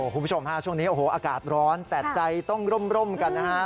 คุณผู้ชมฮะช่วงนี้โอ้โหอากาศร้อนแต่ใจต้องร่มกันนะฮะ